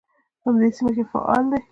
په همدې سیمه کې فعال دی.